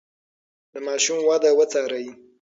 د ماشوم وده وڅارئ.